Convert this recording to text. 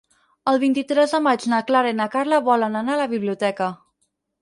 El vint-i-tres de maig na Clara i na Carla volen anar a la biblioteca.